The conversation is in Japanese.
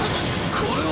これは！